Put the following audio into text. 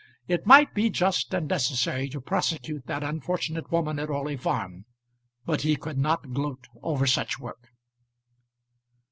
It might be just and necessary to prosecute that unfortunate woman at Orley Farm, but he could not gloat over such work.